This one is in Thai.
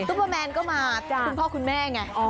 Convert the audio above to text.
ปเปอร์แมนก็มาคุณพ่อคุณแม่ไง